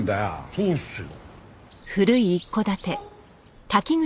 そうですよ。